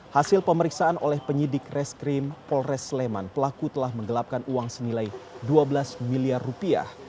hasil pemeriksaan oleh penyidik reskrim polres sleman pelaku telah menggelapkan uang senilai dua belas miliar rupiah